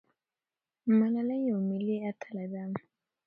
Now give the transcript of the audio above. ملالۍ یوه ملي اتله ده.